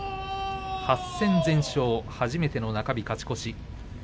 ８戦全勝、初めての中日勝ち越し。